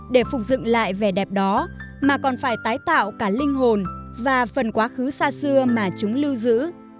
để phục dựng lại vẻ đẹp đó mà còn phải tái tạo cả linh hồn và phần quá khứ xa xưa mà chúng lưu giữ